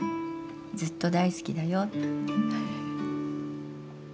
ずっと大好きだよ」。